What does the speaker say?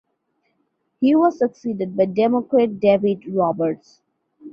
He was succeeded by Democrat David Roberts.